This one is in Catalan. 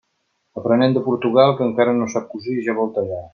Aprenent de Portugal, que encara no sap cosir i ja vol tallar.